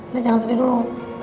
udah jangan sedih dulu